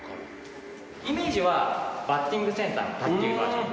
イメージはバッティングセンターの卓球バージョン。